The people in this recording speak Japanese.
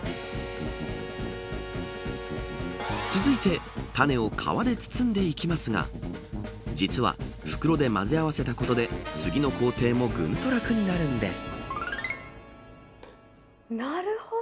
続いてタネを皮で包んでいきますが実は、袋で混ぜ合わせたことで次の工程もぐんと楽になるんです。